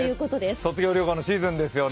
卒業旅行のシーズンですよね。